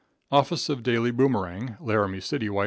Office of Daily Boomerang, Laramie City, Wy.